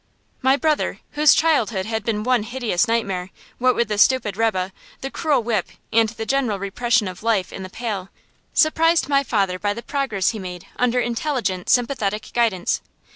My brother, whose childhood had been one hideous nightmare, what with the stupid rebbe, the cruel whip, and the general repression of life in the Pale, surprised my father by the progress he made under intelligent, sympathetic guidance.